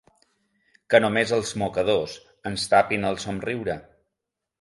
Que només els mocadors ens tapin el somriure.